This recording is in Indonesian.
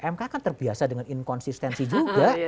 mk kan terbiasa dengan inkonsistensi juga